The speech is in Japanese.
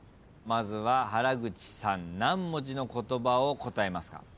まずは原口さん何文字の言葉を答えますか？